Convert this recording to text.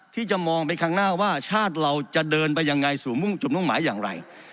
ที่จะมองไปข้างหน้าว่าชาติเราจะเดินไปยังไงสู่มุ่งจุดมุ่งหมายอย่างไร